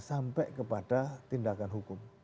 sampai kepada tindakan hukum